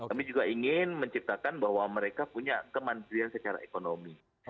kami juga ingin menciptakan bahwa mereka punya kemandirian secara ekonomi